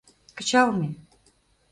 Кычалме.